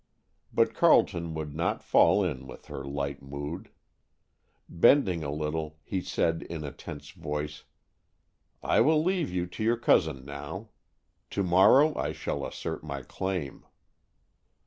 But Carleton would not fall in with her light mood. Bending a little, he said in a tense voice, "I will leave you to your cousin now. To morrow I shall assert my claim."